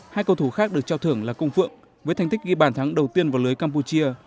hai cầu thủ khác được trao thưởng là cung phượng với thành tích ghi bản thắng đầu tiên vào lưới campuchia